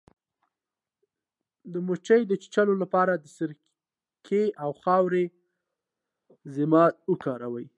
د مچۍ د چیچلو لپاره د سرکې او خاورې ضماد وکاروئ